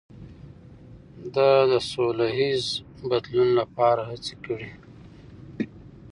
ده د سولهییز بدلون لپاره هڅې کړي.